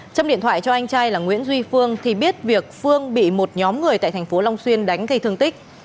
châm điện thoại cho anh trai là nguyễn duy phương thì biết việc phương bị một nhóm người tại thành phố long xuyên đánh gây thương tích